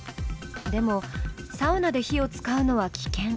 でもサウナで火を使うのは危険。